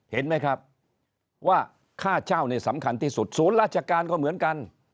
เห็นไหมครับว่าค่าเช่าเนี่ยสำคัญที่สุดศูนย์ราชการก็เหมือนกัน